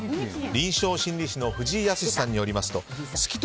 臨床心理士の藤井靖さんによりますと。